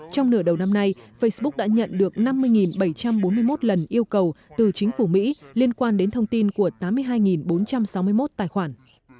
trong nửa đầu năm nay facebook đã nhận được năm mươi bảy trăm bốn mươi một lần yêu cầu từ chính phủ mỹ liên quan đến thông tin của tám mươi hai bốn trăm sáu mươi một tài khoản